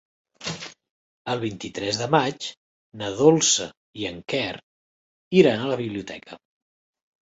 El vint-i-tres de maig na Dolça i en Quer iran a la biblioteca.